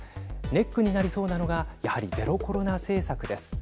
ネックになりそうなのがやはり、ゼロコロナ政策です。